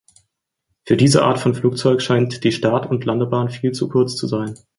Für diese Art von Flugzeug scheint die Start- und Landebahn viel zu kurz zu sein.